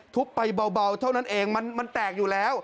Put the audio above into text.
ทุบไปเบาเท่านั้นเองมันแตกอยู่แล้ว